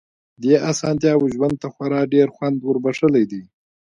دې اسانتياوو ژوند ته خورا ډېر خوند وربښلی دی.